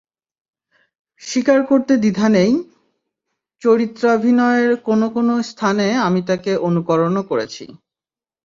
স্বীকার করতে দ্বিধা নেই, চরিত্রাভিনয়ের কোনো কোনো স্থানে আমি তাঁকে অনুকরণও করেছি।